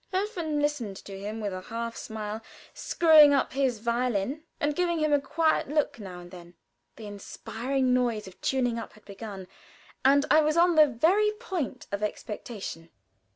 Helfen listened to him with a half smile, screwing up his violin and giving him a quiet look now and then. The inspiring noise of tuning up had begun, and I was on the very tiptoe of expectation.